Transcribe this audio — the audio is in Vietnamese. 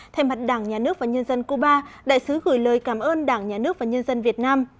thay mặt đảng nhà nước và nhân dân cuba đại sứ gửi lời cảm ơn đảng nhà nước và nhân dân việt nam